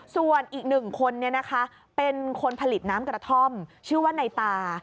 ส่วนอีกหนึ่งคนเป็นคนผลิตน้ำกระท่อมชื่อว่าในตา